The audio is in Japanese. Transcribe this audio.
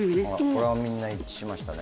これはみんな一致しましたね。